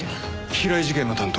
平井事件の担当